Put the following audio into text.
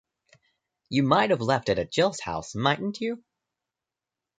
You might've left it at Jill's house, mightn't you?